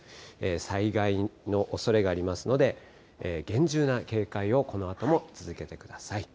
災害のおそれがありますので、厳重な警戒をこのあとも続けてください。